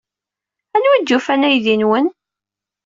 Anwa ay d-yufan aydi-nwen?